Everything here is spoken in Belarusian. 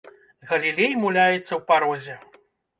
Галілей муляецца ў парозе.